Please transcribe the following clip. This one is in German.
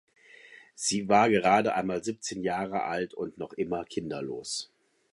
Sie war gerade einmal siebzehn Jahre alt und noch immer kinderlos.